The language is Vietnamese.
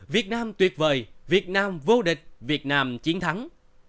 việt nam tuyệt vời việt nam vô địch việt nam chiến thắng